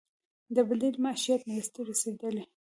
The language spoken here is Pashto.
د بدیل معیشت مرستې رسیدلي؟